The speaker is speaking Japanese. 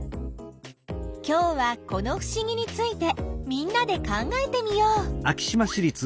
きょうはこのふしぎについてみんなで考えてみよう。